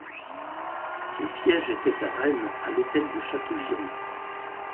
Son siège était à Rennes à l’Hôtel de Châteaugiron.